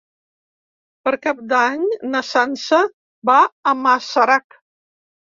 Per Cap d'Any na Sança va a Masarac.